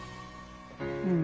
うん。